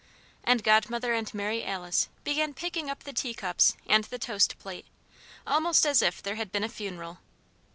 And Godmother and Mary Alice began picking up the teacups and the toast plate, almost as if there had been a funeral.